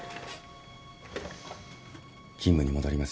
勤務に戻りますよ。